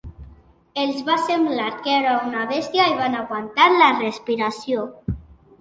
Els va semblar que era una bèstia i van aguantar la respiració.